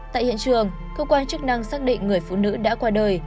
tại hiện trường cơ quan chức năng xác định người phụ nữ đã qua đời